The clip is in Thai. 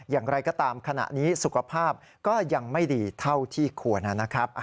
อย่างไรก็ตามขณะนี้สุขภาพก็ยังไม่ดีเท่าที่ควรนะครับ